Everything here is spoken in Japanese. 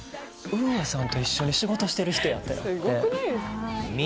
「ＵＡさんと一緒に仕事してる人や」ってなって。